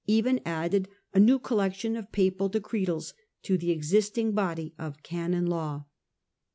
even added a new collection of papal decretals to the existing body of Canon Law.